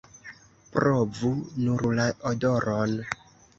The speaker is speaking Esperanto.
Provu nur la odoron!